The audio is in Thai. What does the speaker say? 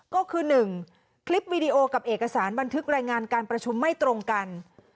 ก็คือ๑คลิปวีดีโอกับเอกสารบันทึกรายงานการประชุมไม่ตรงกัน